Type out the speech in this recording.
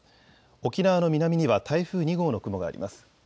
沖縄の南には台風２号の雲があります。